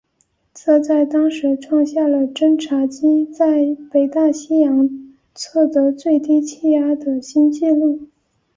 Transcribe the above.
这在当时创下了侦察机在北大西洋测得最低气压的新纪录。